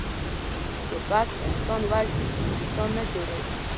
توپک انسان وژني، خو انسان نه جوړوي.